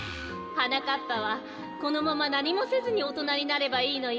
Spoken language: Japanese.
はなかっぱはこのままなにもせずにおとなになればいいのよ。